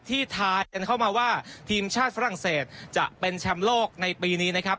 ทายกันเข้ามาว่าทีมชาติฝรั่งเศสจะเป็นแชมป์โลกในปีนี้นะครับ